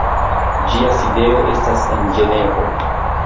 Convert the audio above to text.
Ĝia sidejo estas en Ĝenevo.